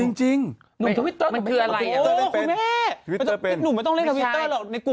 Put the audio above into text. แต่ถ้าเป็นตุ๊กหนุ่มไม่ต้องเล่นทวิดเตอร์หรอก